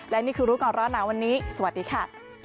และนี่คือรู้ก่อนร้อนหนาวันนี้สวัสดีค่ะ